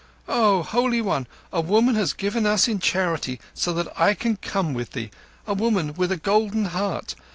"O Holy One, a woman has given us in charity so that I can come with thee—a woman with a golden heart.